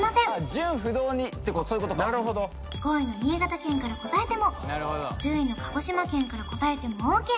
順不同にってそういうことか５位の新潟県から答えても１０位の鹿児島県から答えてもＯＫ！